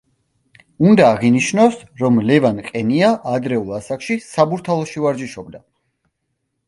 უნდა აღინიშნოს, რომ ლევან ყენია ადრეულ ასაკში, „საბურთალოში“ ვარჯიშობდა.